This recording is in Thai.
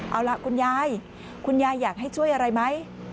เอาล่ะคุณยายคุณยายอยากให้ช่วยอะไรไหม